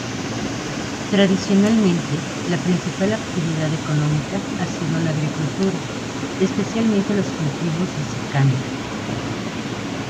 Tradicionalmente, la principal actividad económica ha sido la agricultura, especialmente los cultivos de secano.